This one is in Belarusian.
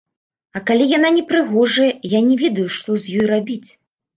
А калі яна не прыгожая, я не ведаю, што з ёй рабіць.